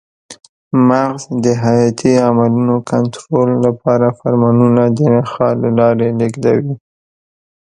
مغز د حیاتي عملونو کنټرول لپاره فرمانونه د نخاع له لارې لېږدوي.